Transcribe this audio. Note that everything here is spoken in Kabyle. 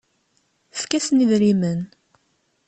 Efk-asen idrimen.